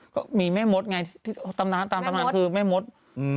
ก็มีแม่มดไงตามนะตามทำหรับก็คือแม่มดอืม